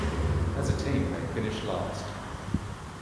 As a team, they finished last.